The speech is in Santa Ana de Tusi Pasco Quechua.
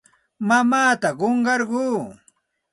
Mamaatam qunqarquu.